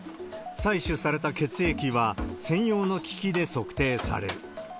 採取された血液は専用の機器で測定される。